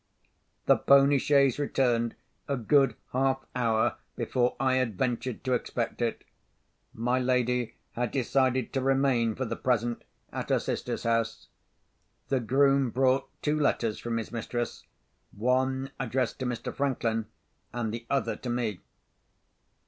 The pony chaise returned a good half hour before I had ventured to expect it. My lady had decided to remain for the present, at her sister's house. The groom brought two letters from his mistress; one addressed to Mr. Franklin, and the other to me.